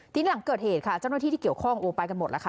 ทีนี้หลังเกิดเหตุค่ะเจ้าหน้าที่ที่เกี่ยวข้องโอ้ไปกันหมดแล้วค่ะ